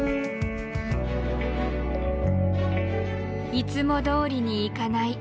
いつもどおりにいかない。